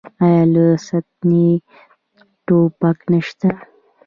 آیا له ستنې تر ټوپکه نشته؟